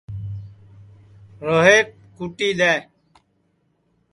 روہیت کُٹی دؔے